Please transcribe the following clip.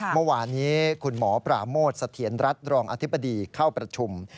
เมื่อวานนี้คุณหมอปราโมทสะเทียนรัฐรองอธิบดีเข้าประชุม